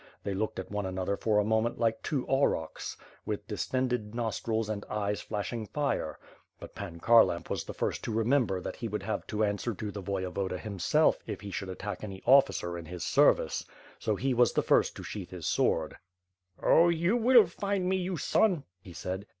They looked at one another for a moment like two aurochs, with distended nos trils and eyes flashing fire — ^but Pan Kharlamp was the first to remember that he would have to answer to the Voyevoda himself if he should attack any officer in his service, so he was the first to sheath his sword: "Oh, I will find you, you son. ..." he said.